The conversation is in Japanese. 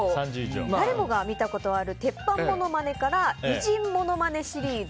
誰もが見たことがある鉄板モノマネから偉人モノマネシリーズ